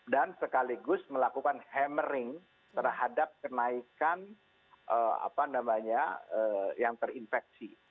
dan sekaligus melakukan hammering terhadap kenaikan yang terinfeksi